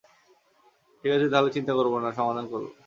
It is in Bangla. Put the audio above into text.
ঠিকাছে, তাহলে, চিন্তা করবো না, সমাধান করবো।